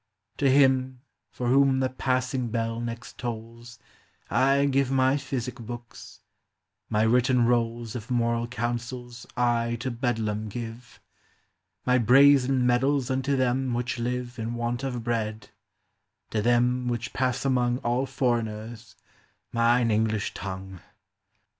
To him, for whom the passing bell next tolls, I give my physic books ; my written rolls Of moral counsels I to Bedlam give : My brazen medals unto them which live In want of bread ; to them which pass among All foreigners, mine English tongue.